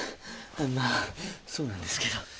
まあそうなんですけど。